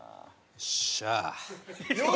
「よっしゃ」？